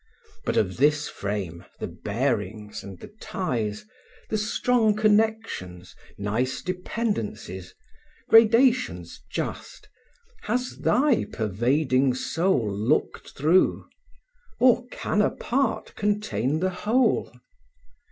But of this frame, the bearings, and the ties, The strong connections, nice dependencies, Gradations just, has thy pervading soul Looked through? or can a part contain the whole?